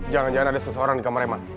jangan jangan ada seseorang di kamar emma